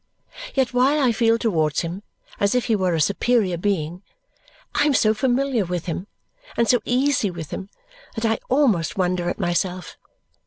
Yet while I feel towards him as if he were a superior being, I am so familiar with him and so easy with him that I almost wonder at myself.